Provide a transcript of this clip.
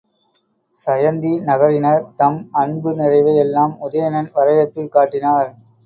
சயந்தி நகரினர் தம் அன்பு நிறைவை எல்லாம் உதயணன் வரவேற்பில் காட்டினர்.